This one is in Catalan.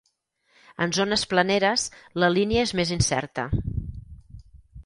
En zones planeres la línia és més incerta.